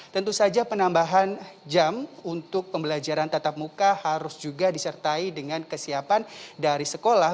tentu saja penambahan jam untuk pembelajaran tatap muka harus juga disertai dengan kesiapan dari sekolah